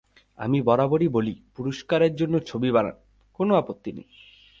আমি বরাবরই বলি, পুরস্কারের জন্য ছবি বানান, কোনো আপত্তি নেই।